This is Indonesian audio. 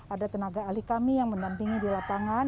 ada tenaga ahli kami yang mendampingi di lapangan